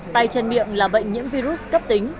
tài chân miệng là bệnh những virus cấp tính